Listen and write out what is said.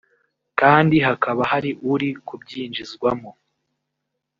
kandi hakaba hari uri kubyinjizwamo